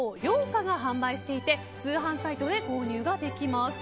花が販売していて通販サイトで購入ができます。